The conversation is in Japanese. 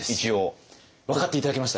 分かって頂けました？